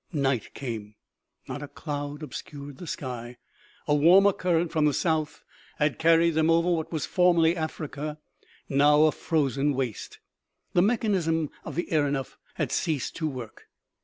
Night came. Not a cloud obscured the sky. A warmer current from the south had carried them over what was formerly Africa, now a frozen waste. The mechanism of the aeronef had ceased to work.